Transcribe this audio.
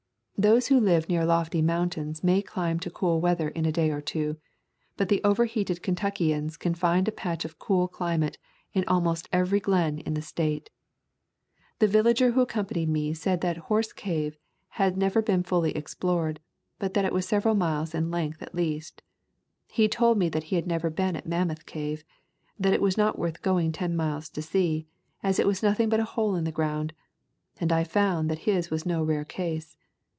Those who live near lofty mountains may climb to cool weather in a day or two, but the overheated Kentuckians can find a patch of cool climate in almost every glen in the State. The villager who accompanied me said that Horse Cave had never been fully explored, but that it was several miles in length at least. He told me that he had never been at Mammoth Cave — that it was not worth going ten miles to see, as it was nothing but a hole in the ground, and I found that his was no rare case.